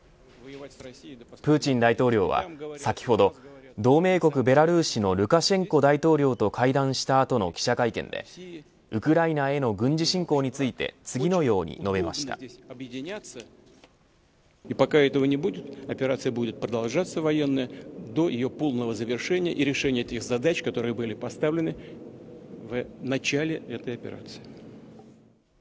プーチン大統領は先ほど同盟国ベラルーシのルカシェンコ大統領と会談した後の記者会見でウクライナへの軍事侵攻について次のように述べました。